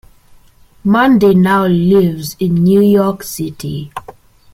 Monday now lives in New York City.